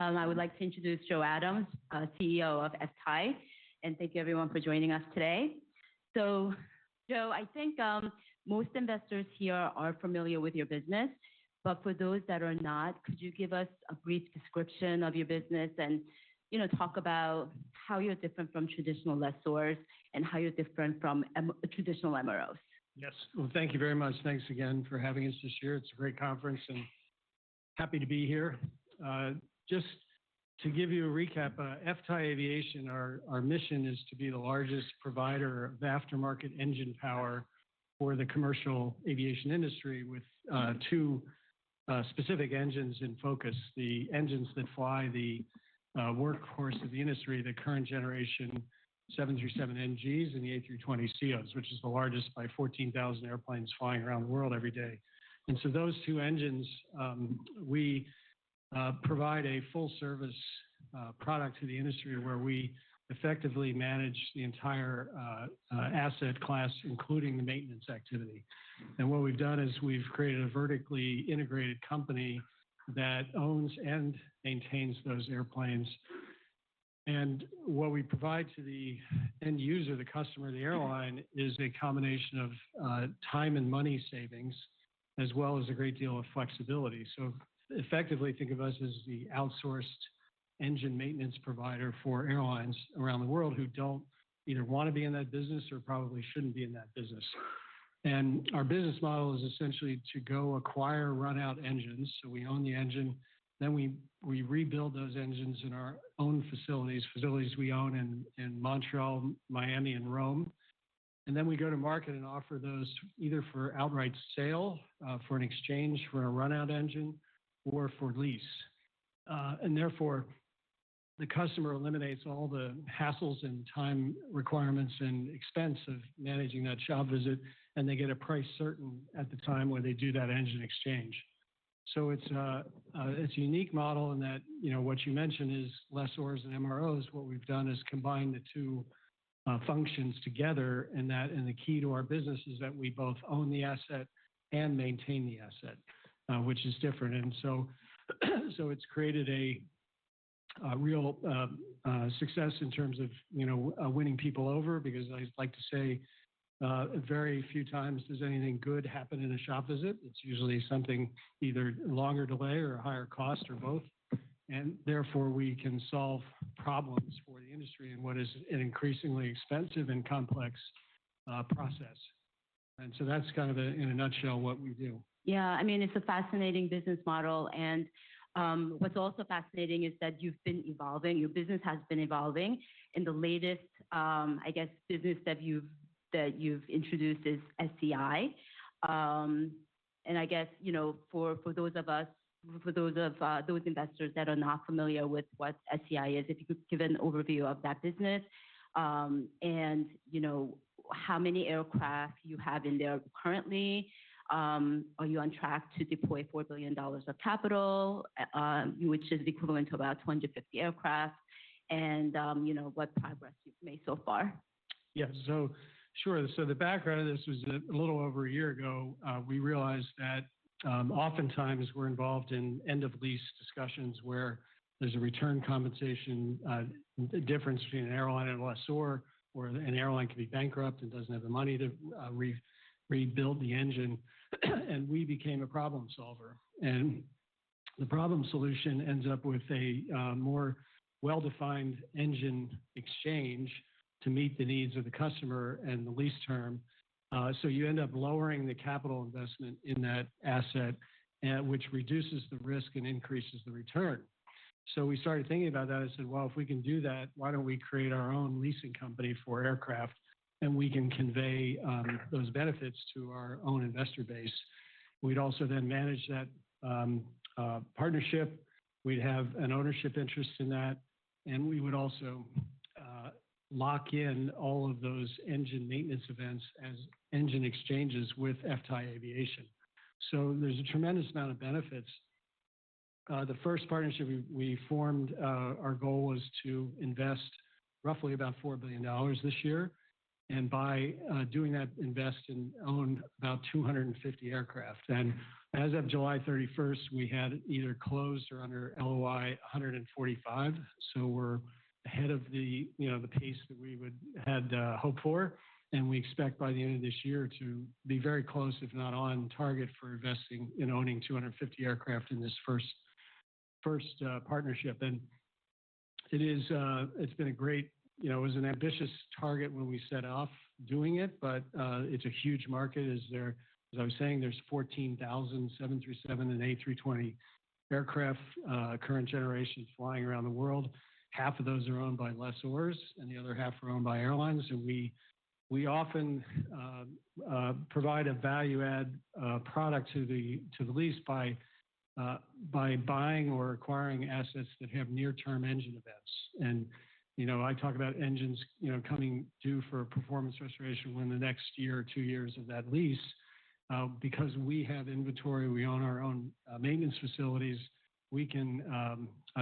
I would like to introduce Joe Adams, CEO of FTAI, and thank you, everyone, for joining us today. So Joe, I think most investors here are familiar with your business, but for those that are not, could you give us a brief description of your business and, you know, talk about how you're different from traditional lessors and how you're different from traditional MROs? Yes. Well, thank you very much. Thanks again for having us this year. It's a great conference, and happy to be here. Just to give you a recap, FTAI Aviation, our mission is to be the largest provider of aftermarket engine power for the commercial aviation industry, with two specific engines in focus: the engines that fly the workhorse of the industry, the current generation 737NGs and the A320ceos, which is the largest by fourteen thousand airplanes flying around the world every day. And so those two engines, we provide a full service product to the industry, where we effectively manage the entire asset class, including the maintenance activity. And what we've done is we've created a vertically integrated company that owns and maintains those airplanes. What we provide to the end user, the customer, the airline, is a combination of time and money savings, as well as a great deal of flexibility. Effectively, think of us as the outsourced engine maintenance provider for airlines around the world who don't either want to be in that business or probably shouldn't be in that business. Our business model is essentially to go acquire run-out engines, so we own the engine. We rebuild those engines in our own facilities, facilities we own in Montreal, Miami, and Rome. We go to market and offer those either for outright sale, for an exchange for a run-out engine or for lease. And therefore, the customer eliminates all the hassles and time requirements and expense of managing that shop visit, and they get a price certain at the time when they do that engine exchange. So it's a unique model in that, you know, what you mentioned is lessors and MROs. What we've done is combined the two functions together, and that. And the key to our business is that we both own the asset and maintain the asset, which is different. And so it's created a real success in terms of, you know, winning people over, because I like to say, very few times does anything good happen in a shop visit. It's usually something either longer delay or a higher cost or both, and therefore, we can solve problems for the industry in what is an increasingly expensive and complex process. And so that's kind of, in a nutshell, what we do. Yeah. I mean, it's a fascinating business model, and what's also fascinating is that you've been evolving, your business has been evolving, and the latest, I guess, business that you've introduced is SAI. And I guess, you know, for those of us, for those investors that are not familiar with what SAI is, if you could give an overview of that business, and, you know, how many aircraft you have in there currently, are you on track to deploy $4 billion of capital, which is equivalent to about 250 aircraft? And, you know, what progress you've made so far. Yeah. So, sure. So the background of this was a little over a year ago, we realized that, oftentimes we're involved in end-of-lease discussions where there's a return compensation, difference between an airline and a lessor, or an airline can be bankrupt and doesn't have the money to, rebuild the engine, and we became a problem solver. And the problem solution ends up with a more well-defined engine exchange to meet the needs of the customer and the lease term. So you end up lowering the capital investment in that asset, which reduces the risk and increases the return. So we started thinking about that and said, "Well, if we can do that, why don't we create our own leasing company for aircraft, and we can convey those benefits to our own investor base?" We'd also then manage that partnership. We'd have an ownership interest in that, and we would also lock in all of those engine maintenance events as engine exchanges with FTAI Aviation. So there's a tremendous amount of benefits. The first partnership we formed, our goal was to invest roughly about $4 billion this year, and by doing that, invest and own about 250 aircraft. And as of July 31st, we had either closed or under LOI, 145, so we're ahead of the, you know, the pace that we would have hoped for. We expect by the end of this year to be very close, if not on target, for investing and owning 250 aircraft in this first partnership. It is, it's been a great. You know, it was an ambitious target when we set off doing it, but, it's a huge market. As I was saying, there's 14,000 737 and A320 aircraft, current generation flying around the world. Half of those are owned by lessors, and the other half are owned by airlines. So we often provide a value add product to the lease by buying or acquiring assets that have near-term engine events. You know, I talk about engines, you know, coming due for performance restoration within the next year or two years of that lease. Because we have inventory, we own our own maintenance facilities, we can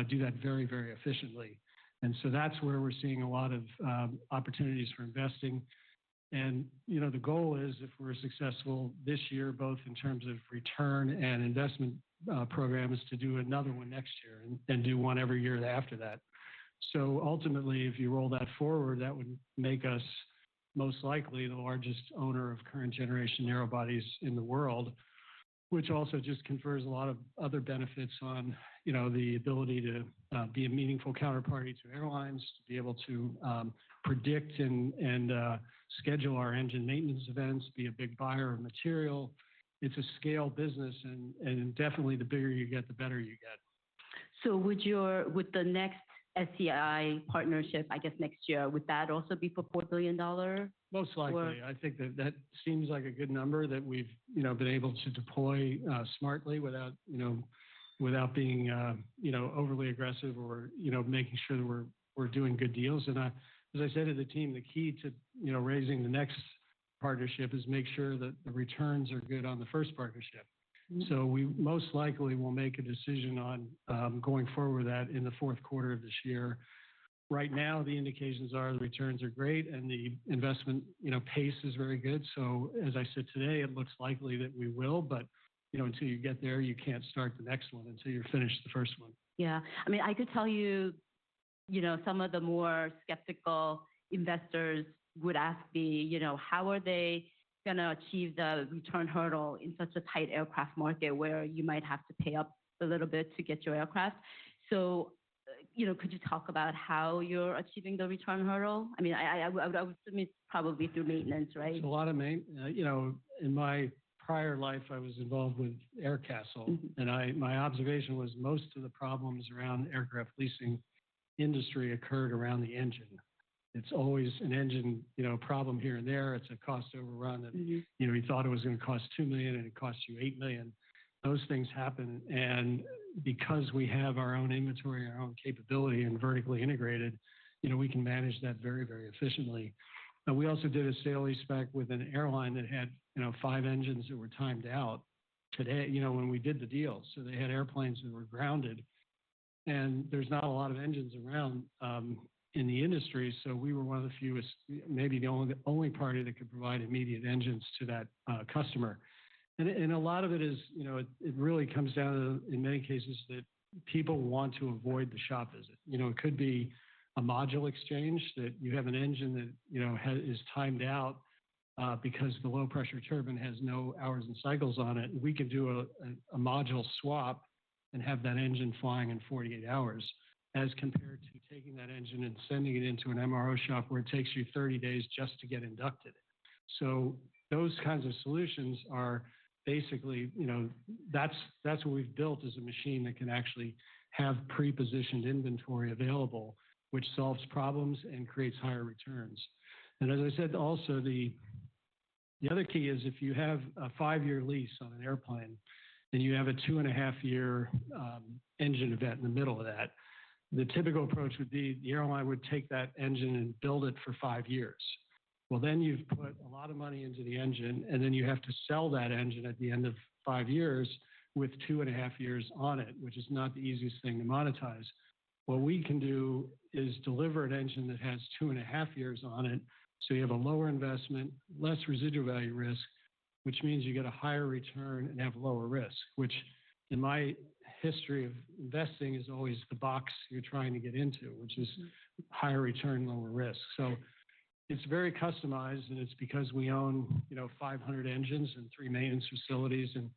do that very, very efficiently, and so that's where we're seeing a lot of opportunities for investing, and, you know, the goal is, if we're successful this year, both in terms of return and investment program, to do another one next year and do one every year after that, ultimately, if you roll that forward, that would make us most likely the largest owner of current generation narrow bodies in the world, which also just confers a lot of other benefits on, you know, the ability to be a meaningful counterparty to airlines, to be able to predict and schedule our engine maintenance events, be a big buyer of material. It's a scale business, and definitely the bigger you get, the better you get. Would the next SAI partnership, I guess, next year, would that also be for $4 billion or? Most likely. I think that seems like a good number that we've, you know, been able to deploy smartly, without, you know, without being, you know, overly aggressive or, you know, making sure that we're doing good deals. And, as I said to the team, the key to, you know, raising the next partnership is make sure that the returns are good on the first partnership. Mm-hmm. So we most likely will make a decision on, going forward with that in the fourth quarter of this year. Right now, the indications are the returns are great, and the investment, you know, pace is very good. So as I said today, it looks likely that we will, but, you know, until you get there, you can't start the next one until you're finished with the first one. Yeah. I mean, I could tell you, you know, some of the more skeptical investors would ask me, you know, "How are they gonna achieve the return hurdle in such a tight aircraft market where you might have to pay up a little bit to get your aircraft?" So, you know, could you talk about how you're achieving the return hurdle? I mean, I would assume it's probably through maintenance, right? It's a lot of. You know, in my prior life, I was involved with Aircastle. Mm-hmm. My observation was most of the problems around the aircraft leasing industry occurred around the engine. It's always an engine, you know, problem here and there. It's a cost overrun that- Mm-hmm... you know, you thought it was gonna cost $2 million, and it costs you $8 million. Those things happen, and because we have our own inventory, our own capability, and vertically integrated, you know, we can manage that very, very efficiently. We also did a sale-lease-back with an airline that had, you know, five engines that were timed out today, you know, when we did the deal. So they had airplanes that were grounded, and there's not a lot of engines around in the industry, so we were one of the few, maybe the only party that could provide immediate engines to that customer. And a lot of it is, you know, it really comes down to, in many cases, that people want to avoid the shop visit. You know, it could be a module exchange, that you have an engine that, you know, is timed out, because the low-pressure turbine has no hours and cycles on it. We could do a module swap and have that engine flying in 48 hours, as compared to taking that engine and sending it into an MRO shop, where it takes you 30 days just to get inducted. So those kinds of solutions are basically, you know, that's what we've built, is a machine that can actually have pre-positioned inventory available, which solves problems and creates higher returns. And as I said, also, the other key is, if you have a five-year lease on an airplane, and you have a two-and-a-half-year engine event in the middle of that, the typical approach would be the airline would take that engine and build it for five years. Well, then you've put a lot of money into the engine, and then you have to sell that engine at the end of five years with two and a half years on it, which is not the easiest thing to monetize. What we can do is deliver an engine that has two and a half years on it, so you have a lower investment, less residual value risk, which means you get a higher return and have lower risk, which, in my history of investing, is always the box you're trying to get into- Mm-hmm... which is higher return, lower risk. So it's very customized, and it's because we own, you know, five hundred engines and three maintenance facilities and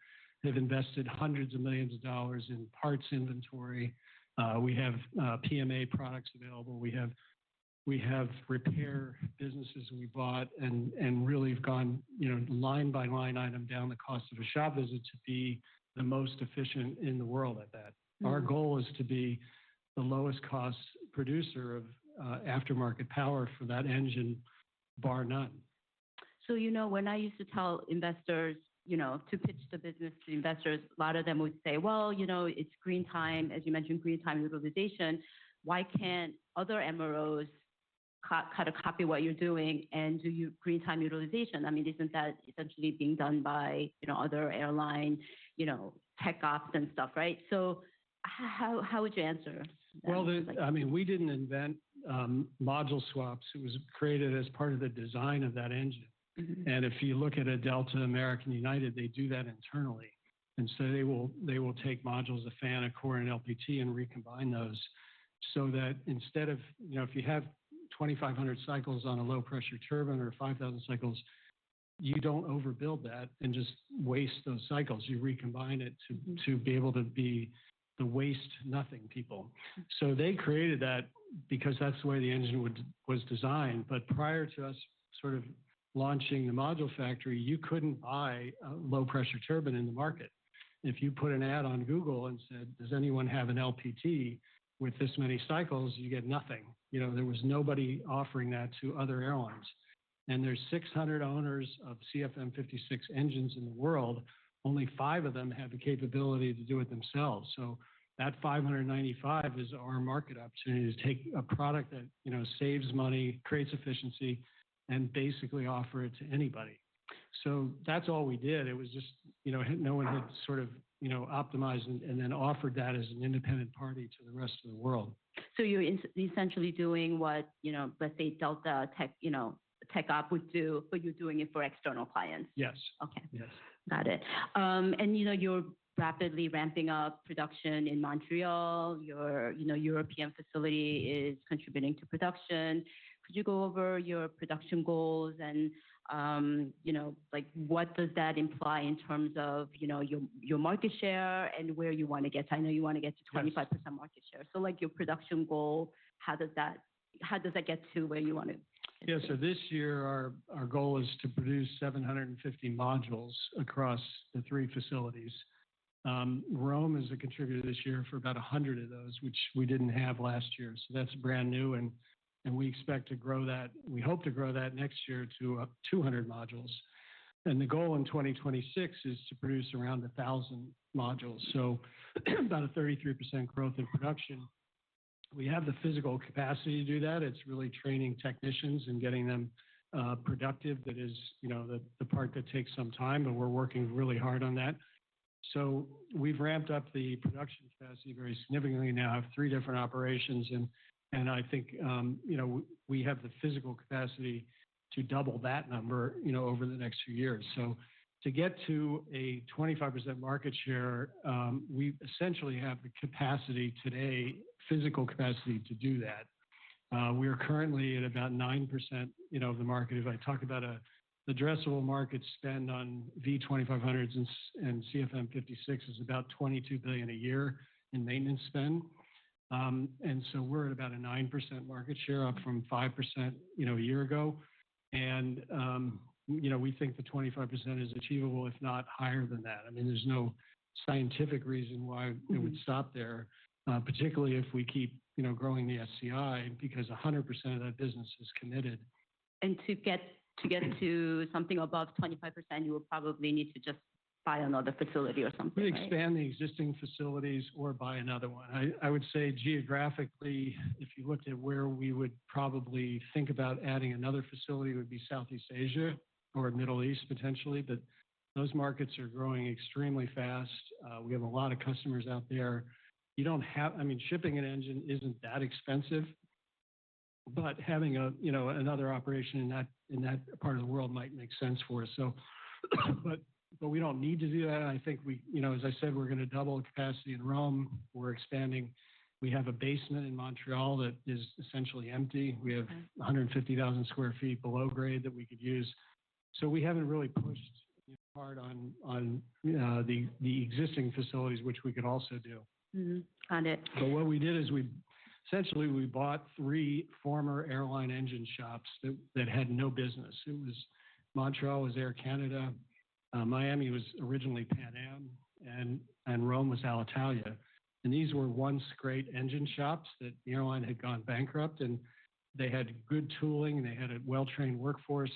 have invested hundreds of millions of dollars in parts inventory. We have PMA products available. We have repair businesses we bought and really have gone, you know, line by line item down the cost of a shop visit to be the most efficient in the world at that. Mm-hmm. Our goal is to be the lowest cost producer of aftermarket power for that engine, bar none. So, you know, when I used to tell investors, you know, to pitch the business to investors, a lot of them would say, "Well, you know, it's green time. As you mentioned, green time utilization. Why can't other MROs kind of copy what you're doing and do your green time utilization? I mean, isn't that essentially being done by, you know, other airline, you know, tech ops and stuff, right?" So how would you answer that? I mean, we didn't invent module swaps. It was created as part of the design of that engine. Mm-hmm. If you look at Delta, American, United, they do that internally, and so they will take modules, a fan, a core, and LPT, and recombine those so that instead of... You know, if you have twenty-five hundred cycles on a low-pressure turbine or five thousand cycles, you don't overbuild that and just waste those cycles. You recombine it to- Mm-hmm... to be able to be the waste nothing people. So they created that because that's the way the engine was designed. But prior to us sort of launching the Module Factory, you couldn't buy a low-pressure turbine in the market. If you put an ad on Google and said, "Does anyone have an LPT with this many cycles?" You'd get nothing. You know, there was nobody offering that to other airlines. And there's six hundred owners of CFM56 engines in the world, only five of them have the capability to do it themselves. So that five hundred and ninety-five is our market opportunity, to take a product that, you know, saves money, creates efficiency, and basically offer it to anybody.... So that's all we did. It was just, you know, no one had sort of, you know, optimized and then offered that as an independent party to the rest of the world. So you're essentially doing what, you know, let's say, Delta TechOps, you know, TechOps would do, but you're doing it for external clients? Yes. Okay. Yes. Got it, and you know, you're rapidly ramping up production in Montreal. Your you know, European facility is contributing to production. Could you go over your production goals and you know, like, what does that imply in terms of you know, your market share and where you want to get to? I know you want to get to- Yes... 25% market share. So, like, your production goal, how does that get to where you want it to be? Yeah, so this year, our goal is to produce 750 modules across the three facilities. Rome is a contributor this year for about 100 of those, which we didn't have last year, so that's brand new, and we expect to grow that. We hope to grow that next year to 200 modules. The goal in 2026 is to produce around 1000 modules, so about a 33% growth in production. We have the physical capacity to do that. It's really training technicians and getting them productive, that is, you know, the part that takes some time, but we're working really hard on that. So we've ramped up the production capacity very significantly, now have three different operations, and I think you know we have the physical capacity to double that number, you know, over the next few years. So to get to a 25% market share, we essentially have the capacity today, physical capacity, to do that. We are currently at about 9%, you know, of the market. If I talk about the addressable market spend on V2500s and CFM56 is about $22 billion a year in maintenance spend. And so we're at about a 9% market share, up from 5%, you know, a year ago. And you know we think the 25% is achievable, if not higher than that. I mean, there's no scientific reason why it would stop there, particularly if we keep, you know, growing the SEI, because 100% of that business is committed. To get to something above 25%, you will probably need to just buy another facility or something, right? We expand the existing facilities or buy another one. I would say geographically, if you looked at where we would probably think about adding another facility would be Southeast Asia or Middle East, potentially, but those markets are growing extremely fast. We have a lot of customers out there. I mean, shipping an engine isn't that expensive, but having a, you know, another operation in that, in that part of the world might make sense for us. But we don't need to do that. I think we, you know, as I said, we're gonna double the capacity in Rome. We're expanding. We have a basement in Montreal that is essentially empty. Okay. We have 150,000 sq ft below grade that we could use. So we haven't really pushed hard on the existing facilities, which we could also do. Mm-hmm. Got it. But what we did is we essentially, we bought three former airline engine shops that had no business. It was, Montreal was Air Canada, Miami was originally Pan Am, and Rome was Alitalia. And these were once great engine shops that the airline had gone bankrupt, and they had good tooling, and they had a well-trained workforce.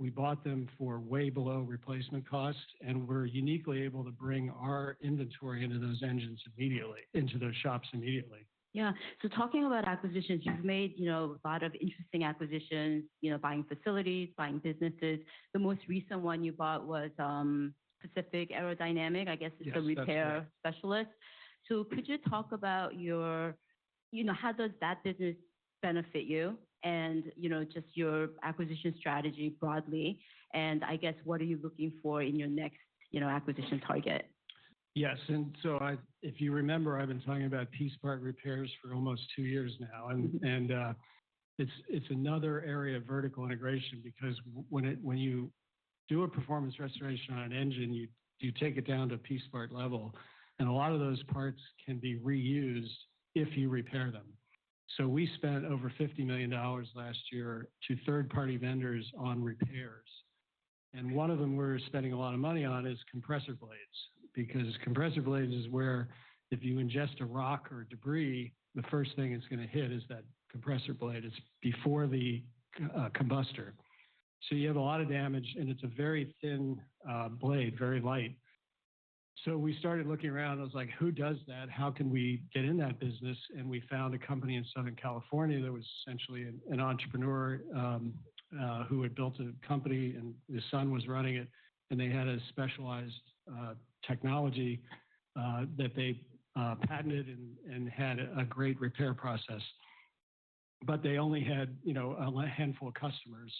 We bought them for way below replacement costs, and we're uniquely able to bring our inventory into those engines immediately, into those shops immediately. Yeah. So talking about acquisitions, you've made, you know, a lot of interesting acquisitions, you know, buying facilities, buying businesses. The most recent one you bought was Pacific Aerodynamics, I guess- Yes, that's right.... a repair specialist. So could you talk about your, you know, how does that business benefit you? And, you know, just your acquisition strategy broadly, and I guess, what are you looking for in your next, you know, acquisition target? Yes, and so I, if you remember, I've been talking about piece part repairs for almost two years now. And it's another area of vertical integration because when you do a performance restoration on an engine, you take it down to a piece part level, and a lot of those parts can be reused if you repair them. So we spent over $50 million last year to third-party vendors on repairs, and one of them we're spending a lot of money on is compressor blades. Because compressor blades is where, if you ingest a rock or debris, the first thing it's gonna hit is that compressor blade. It's before the combustor. So you have a lot of damage, and it's a very thin blade, very light. So we started looking around, and I was like: Who does that? How can we get in that business? And we found a company in Southern California that was essentially an entrepreneur who had built a company, and his son was running it. And they had a specialized technology that they patented and had a great repair process. But they only had, you know, a handful of customers.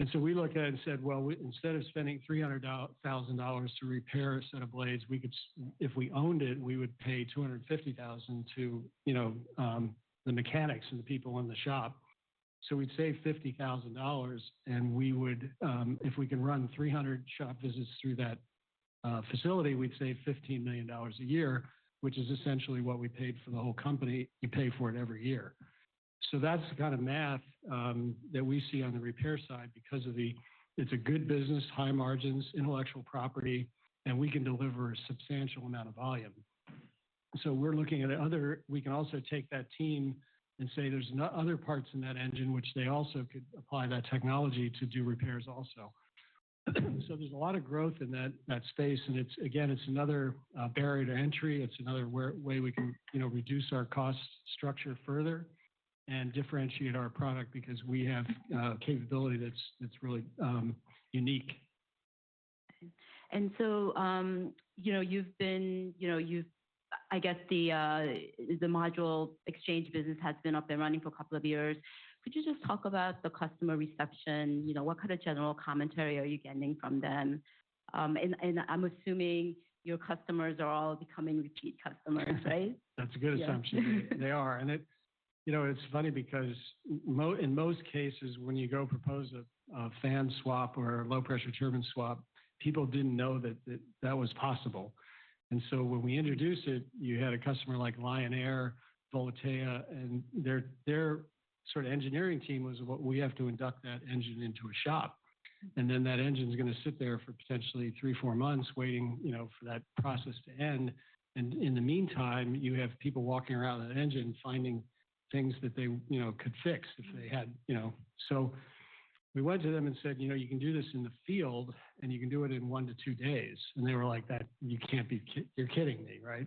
And so we looked at it and said, "Well, we instead of spending $300,000 to repair a set of blades, we could if we owned it, we would pay $250,000 to, you know, the mechanics and the people in the shop. So we'd save $50,000, and we would, if we can run 300 shop visits through that facility, we'd save $15 million a year, which is essentially what we paid for the whole company. You pay for it every year. So that's the kind of math that we see on the repair side because it's a good business, high margins, intellectual property, and we can deliver a substantial amount of volume. So we're looking at other. We can also take that team and say there's other parts in that engine which they also could apply that technology to do repairs also. So there's a lot of growth in that space, and it's, again, it's another barrier to entry. It's another way we can, you know, reduce our cost structure further. and differentiate our product because we have capability that's really unique. And so, you know, I guess the module exchange business has been up and running for a couple of years. Could you just talk about the customer reception? You know, what kind of general commentary are you getting from them? And I'm assuming your customers are all becoming repeat customers, right? That's a good assumption. Yeah. They are. And it's, you know, it's funny because in most cases, when you go propose a fan swap or a low-pressure turbine swap, people didn't know that that was possible. And so when we introduced it, you had a customer like Lion Air, Volotea, and their sort of engineering team was, "Well, we have to induct that engine into a shop," and then that engine's gonna sit there for potentially three, four months waiting, you know, for that process to end. And in the meantime, you have people walking around that engine, finding things that they, you know, could fix if they had, you know... So we went to them and said, "You know, you can do this in the field, and you can do it in one to two days." And they were like, "That you can't be kidding me, right?"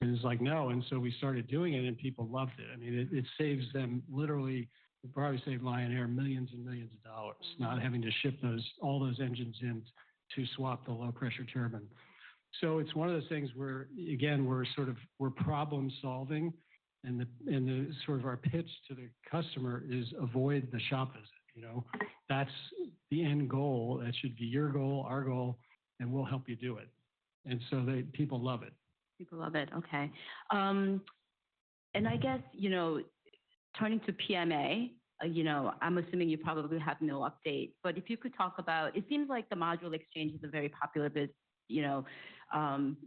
And it's like, "No." And so we started doing it, and people loved it. I mean, it saves them literally... It probably saved Lion Air millions and millions of dollars- Mm-hmm... not having to ship those, all those engines in to swap the low-pressure turbine. So it's one of those things where, again, we're sort of, we're problem-solving, and the, and the sort of our pitch to the customer is, "Avoid the shop visit," you know? That's the end goal. That should be your goal, our goal, and we'll help you do it. And so they, people love it. People love it. Okay, and I guess, you know, turning to PMA, you know, I'm assuming you probably have no update, but if you could talk about... It seems like the module exchange is a very popular biz, you know,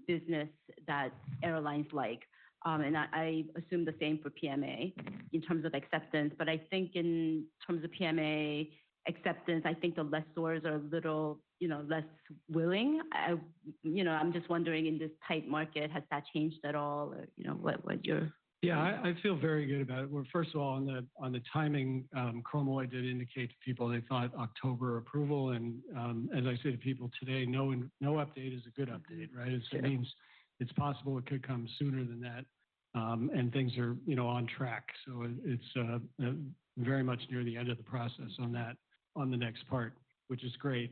business that airlines like, and I, I assume the same for PMA in terms of acceptance. But I think in terms of PMA acceptance, I think the lessors are a little, you know, less willing. I, you know, I'm just wondering, in this tight market, has that changed at all? Or, you know, what, what's your- Yeah, I feel very good about it. Well, first of all, on the timing, Chromalloy did indicate to people they thought October approval, and as I say to people today, "No in- no update is a good update," right? Yeah. It means it's possible it could come sooner than that, and things are, you know, on track, so it's very much near the end of the process on that, on the next part, which is great.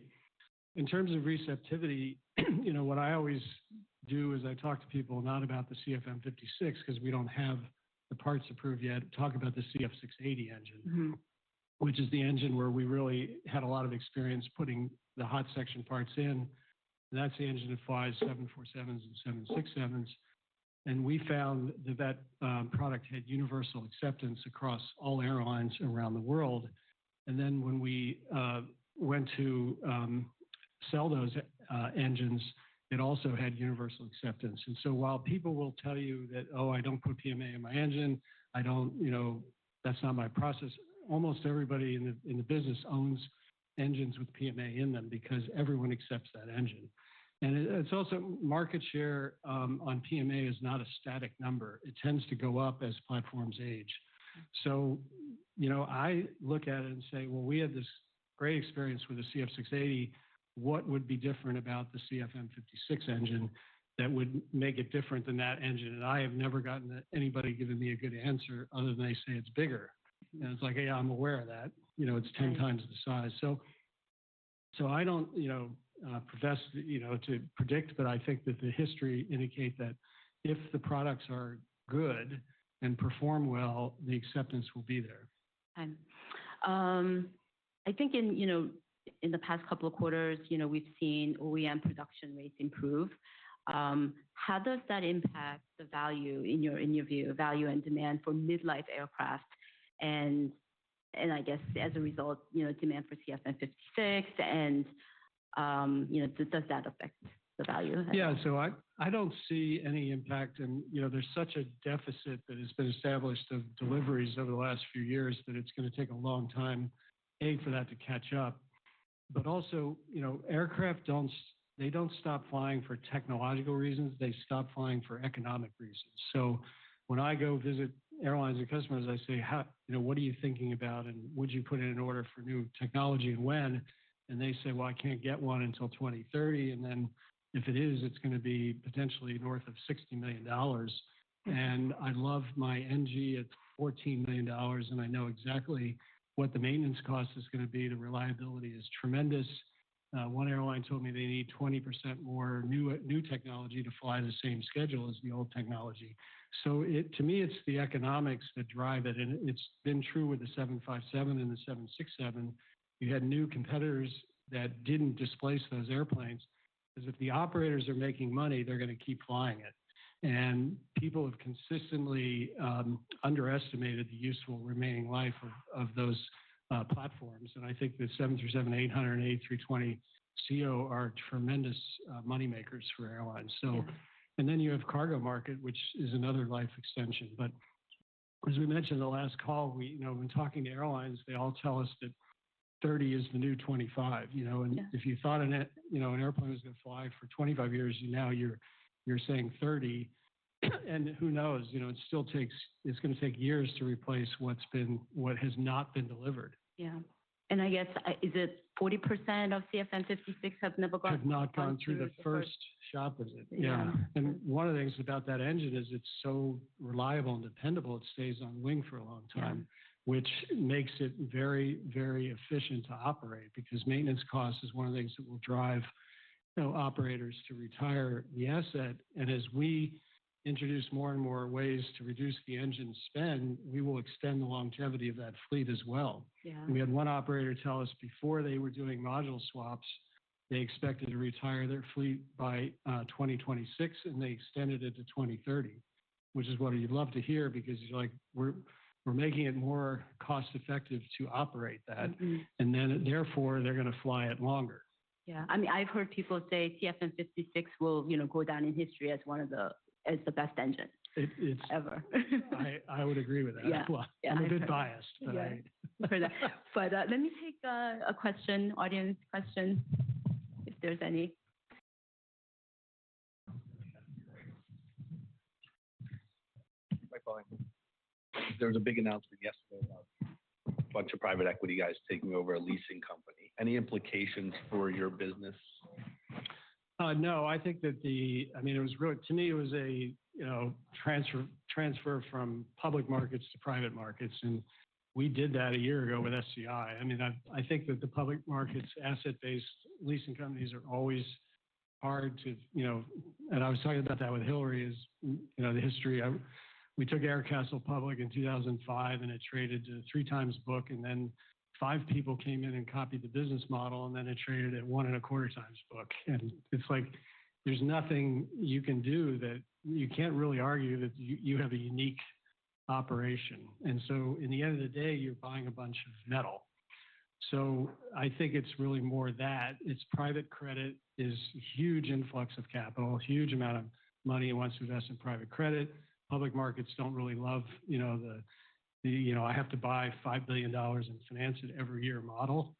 In terms of receptivity, you know, what I always do is I talk to people, not about the CFM56, because we don't have the parts approved yet. Talk about the CF6-80 engine- Mm-hmm... which is the engine where we really had a lot of experience putting the hot section parts in, and that's the engine that flies 747s and 767s. And we found that that product had universal acceptance across all airlines around the world. And then, when we went to sell those engines, it also had universal acceptance. And so while people will tell you that, "Oh, I don't put PMA in my engine, I don't... You know, that's not my process," almost everybody in the business owns engines with PMA in them because everyone accepts that engine. And it, it's also market share on PMA is not a static number. It tends to go up as platforms age. So, you know, I look at it and say, "Well, we had this great experience with the CF6-80. “What would be different about the CFM56 engine that would make it different than that engine?” And I have never gotten anybody giving me a good answer other than they say, “It's bigger.” And it's like, “Hey, I'm aware of that. You know, it's ten times the size.” Right. I don't, you know, profess, you know, to predict, but I think that the history indicate that if the products are good and perform well, the acceptance will be there. I think, you know, in the past couple of quarters, you know, we've seen OEM production rates improve. How does that impact the value, in your view, and demand for mid-life aircraft? I guess, as a result, you know, demand for CFM56 and, you know, does that affect the value of that? Yeah. So I don't see any impact. And, you know, there's such a deficit that has been established of deliveries over the last few years that it's gonna take a long time, A, for that to catch up. But also, you know, aircraft don't stop flying for technological reasons. They stop flying for economic reasons. So when I go visit airlines or customers, I say, "How... You know, what are you thinking about, and would you put in an order for new technology and when?" And they say, "Well, I can't get one until twenty thirty, and then if it is, it's gonna be potentially north of $60 million. And I love my NG at $14 million, and I know exactly what the maintenance cost is gonna be. The reliability is tremendous." One airline told me they need 20% more new technology to fly the same schedule as the old technology. So, to me, it's the economics that drive it, and it's been true with the 757 and the 767. You had new competitors that didn't displace those airplanes, because if the operators are making money, they're gonna keep flying it. And people have consistently underestimated the useful remaining life of those platforms. And I think the 737-800 and A320ceo are tremendous money makers for airlines. Yeah. You have cargo market, which is another life extension. But as we mentioned in the last call, we, you know, when talking to airlines, they all tell us that thirty is the new twenty-five, you know? Yeah. If you thought, you know, an airplane was gonna fly for twenty-five years, now you're saying thirty, and who knows? You know, it still takes. It's gonna take years to replace what has not been delivered. Yeah. And I guess, is it 40% of CFM56 have never gone through- Have not gone through the first shop, is it? Yeah. Yeah. And one of the things about that engine is it's so reliable and dependable, it stays on wing for a long time. Yeah. Which makes it very, very efficient to operate, because maintenance cost is one of the things that will drive, you know, operators to retire the asset. And as we introduce more and more ways to reduce the engine spend, we will extend the longevity of that fleet as well. Yeah. We had one operator tell us before they were doing module swaps, they expected to retire their fleet by 2026, and they extended it to 2030, which is what you'd love to hear because you're like, we're making it more cost effective to operate that- Mm-hmm. and then therefore, they're gonna fly it longer. Yeah. I mean, I've heard people say CFM56 will, you know, go down in history as the best engine. It, it's- - ever. I would agree with that. Yeah, yeah. I'm a bit biased, but I... Heard that. But let me take a question, audience question, if there's any. Hi, Paul. There was a big announcement yesterday about a bunch of private equity guys taking over a leasing company. Any implications for your business? No, I think that the... I mean, it was really-- to me, it was a, you know, transfer from public markets to private markets, and we did that a year ago with SEI. I mean, I think that the public markets, asset-based leasing companies are always hard to, you know-- And I was talking about that with Hillary, you know, the history. We took Aircastle public in 2005, and it traded to three times book, and then five people came in and copied the business model, and then it traded at one and a quarter times book. And it's like, there's nothing you can do that-- You can't really argue that you have a unique operation. And so in the end of the day, you're buying a bunch of metal. So I think it's really more that. It's private credit, is huge influx of capital, huge amount of money wants to invest in private credit. Public markets don't really love, you know, the, you know, "I have to buy $5 billion and finance it every year," model.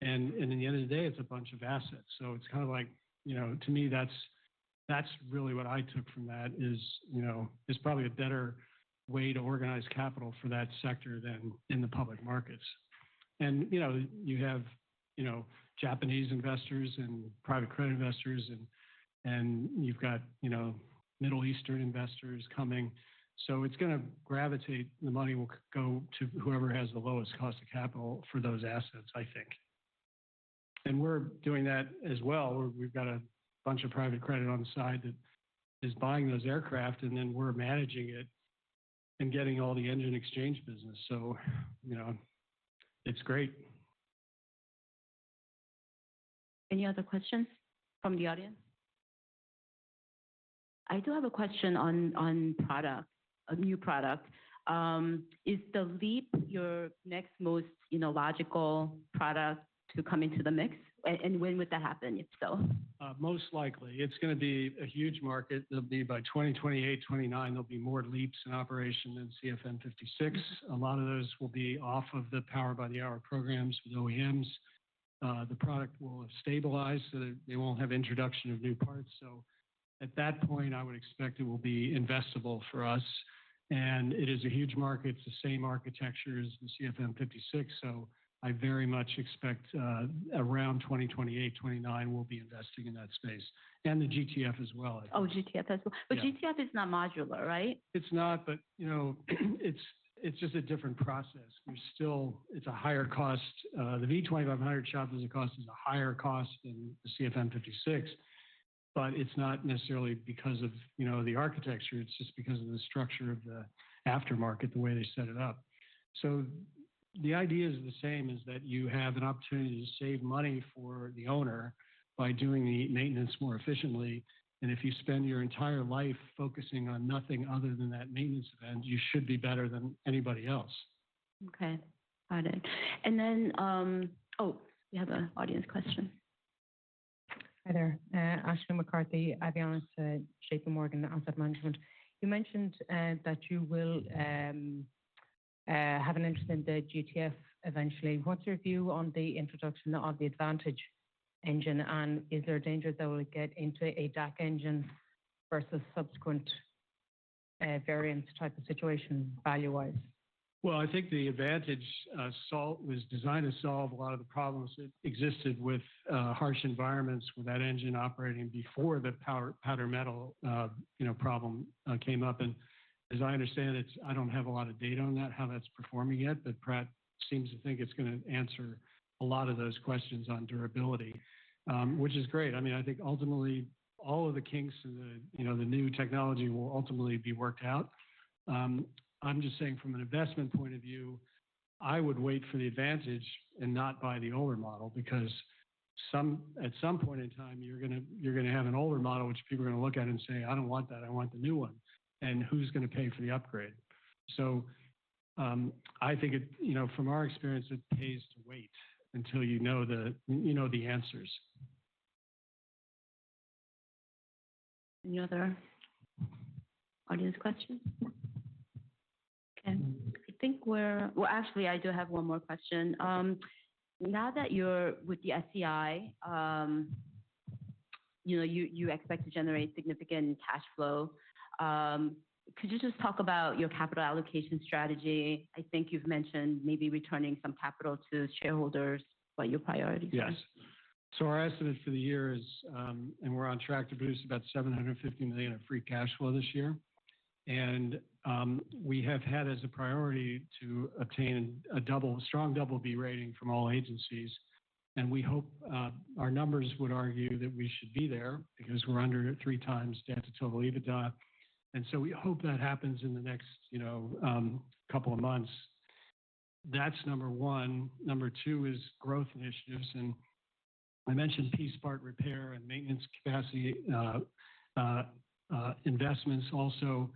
And at the end of the day, it's a bunch of assets. So it's kind of like, you know, to me, that's really what I took from that, is, you know, it's probably a better way to organize capital for that sector than in the public markets. And, you know, you have, you know, Japanese investors and private credit investors and, and you've got, you know, Middle Eastern investors coming. So it's gonna gravitate. The money will go to whoever has the lowest cost of capital for those assets, I think. And we're doing that as well. We've got a bunch of private credit on the side that is buying those aircraft, and then we're managing it and getting all the engine exchange business, so, you know, it's great. Any other questions from the audience? I do have a question on product, a new product. Is the LEAP your next most, you know, logical product to come into the mix? And when would that happen, if so? Most likely. It's gonna be a huge market. There'll be, by 2028-2029, there'll be more LEAPs in operation than CFM56. A lot of those will be off of the Power by the Hour programs with OEMs. The product will have stabilized, so they, they won't have introduction of new parts. So at that point, I would expect it will be investable for us, and it is a huge market. It's the same architecture as the CFM56, so I very much expect, around 2028-2029, we'll be investing in that space, and the GTF as well, I think. Oh, GTF as well? Yeah. But GTF is not modular, right? It's not, but, you know, it's just a different process. There's still. It's a higher cost. The V2500 shop visit costs is a higher cost than the CFM56, but it's not necessarily because of, you know, the architecture, it's just because of the structure of the aftermarket, the way they set it up. So the idea is the same, is that you have an opportunity to save money for the owner by doing the maintenance more efficiently, and if you spend your entire life focusing on nothing other than that maintenance event, you should be better than anybody else. Okay, got it. And then, oh, we have an audience question. Hi there, Ashley McCarthy, Aviation's, JPMorgan Asset Management. You mentioned that you will have an interest in the GTF eventually. What's your view on the introduction of the Advantage engine, and is there a danger that will get into a DAC engine versus subsequent variant type of situation, value-wise? Well, I think the Advantage solution was designed to solve a lot of the problems that existed with harsh environments with that engine operating before the powder metal, you know, problem came up. And as I understand, it's. I don't have a lot of data on that, how that's performing yet, but Pratt seems to think it's gonna answer a lot of those questions on durability, which is great. I mean, I think ultimately, all of the kinks in the, you know, the new technology will ultimately be worked out. I'm just saying from an investment point of view, I would wait for the Advantage and not buy the older model, because at some point in time, you're gonna have an older model, which people are gonna look at and say, "I don't want that, I want the new one." And who's gonna pay for the upgrade? So, I think it, you know, from our experience, it pays to wait until you know the, you know the answers. Any other audience questions? Okay, I think we're. Well, actually, I do have one more question. Now that you're with the SEI, you know, you expect to generate significant cash flow. Could you just talk about your capital allocation strategy? I think you've mentioned maybe returning some capital to shareholders, what your priority is. Yes. Our estimate for the year is, and we're on track to produce about $750 million of free cash flow this year. And we have had as a priority to obtain a strong double-B rating from all agencies, and we hope our numbers would argue that we should be there because we're under three times debt to total EBITDA. And so we hope that happens in the next, you know, couple of months. That's number one. Number two is growth initiatives, and I mentioned piece part repair and maintenance capacity investments also,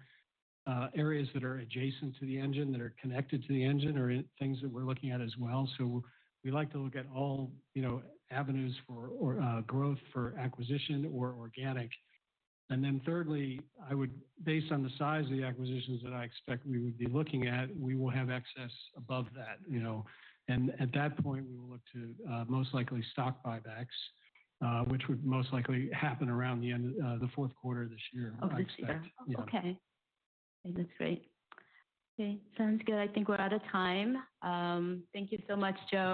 areas that are adjacent to the engine, that are connected to the engine, are things that we're looking at as well. So we like to look at all, you know, avenues for growth, for acquisition or organic. And then thirdly, I would, based on the size of the acquisitions that I expect we would be looking at, we will have excess above that, you know. And at that point, we will look to, most likely stock buybacks, which would most likely happen around the end, the fourth quarter of this year. Of this year? Yeah. Okay. That's great. Okay, sounds good. I think we're out of time. Thank you so much, Joe.